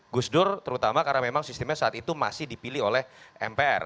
gus dur terutama karena memang sistemnya saat itu masih dipilih oleh mpr